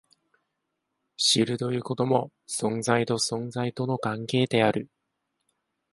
知るということも、存在と存在との関係である。